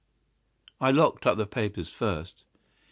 "I locked up the papers first."